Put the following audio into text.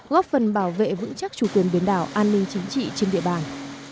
góp phần bảo vệ vững chắc chủ quyền biển đảo an ninh chính trị trên địa bàn